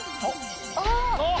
あっ！